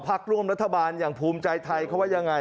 พักร่วมรัฐบาลอย่างภูมิใจไทยเขาว่ายังไง